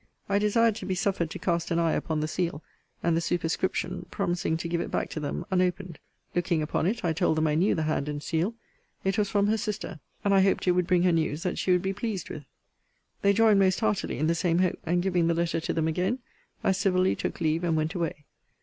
I desired to be suffered to cast an eye upon the seal, and the superscription; promising to give it back to them unopened. Looking upon it, I told them I knew the hand and seal. It was from her sister.* And I hoped it would bring her news that she would be pleased with. * See Letter XXVI. of this volume. They joined most heartily in the same hope: and, giving the letter to them again, I civilly took leave, and went away.